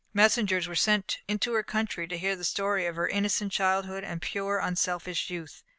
Messengers were sent into her country to hear the story of her innocent childhood and pure, unselfish youth.